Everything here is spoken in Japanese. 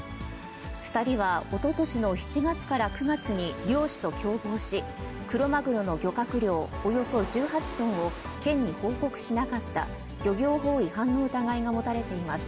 ２人はおととしの７月から９月に漁師と共謀し、クロマグロの漁獲量およそ１８トンを、県に報告しなかった漁業法違反の疑いが持たれています。